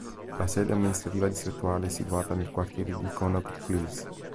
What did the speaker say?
La sede amministrativa distrettuale è situata nel quartiere di Connaught Place.